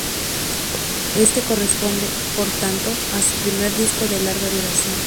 Éste corresponde, por tanto, a su primer disco de larga duración.